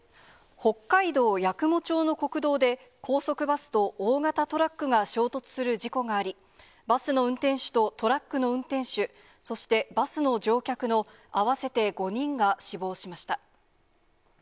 北海道八雲町の国道で、高速バスと大型トラックが衝突する事故があり、バスの運転手とトラックの運転手、そしてバスの乗客の合わせて５人が死亡しました。